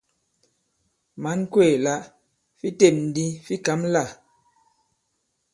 Mǎn kwéè la fi têm ndi fi kǎm lâ ?